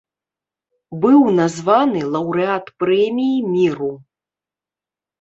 Быў названы лаўрэат прэміі міру.